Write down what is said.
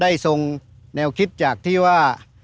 ทรงแนวคิดจากที่ว่า